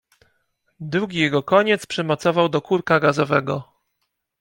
Drugi jego koniec przymocował do kurka gazowego.